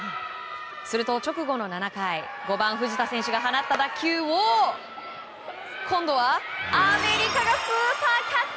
すると直後の７回５番、藤田選手が放った打球を今度は、アメリカがスーパーキャッチ！